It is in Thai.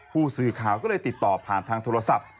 ผู้สื่อข่าวก็เลยติดต่อผ่านทางโทรศัพท์